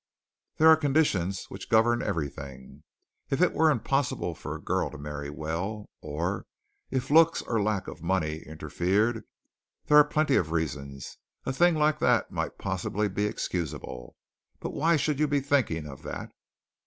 There are conditions which govern everything. If it were impossible for a girl to marry well, or if looks or lack of money interfered, there are plenty of reasons a thing like that might possibly be excusable, but why should you be thinking of that?"